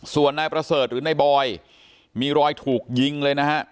ส่วนนายประเสริฐหรือนายบอยมีรอยถูกยิงเลยนะฮะ